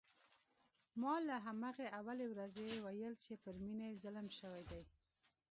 ما له همهغې اولې ورځې ویل چې پر مينې ظلم شوی دی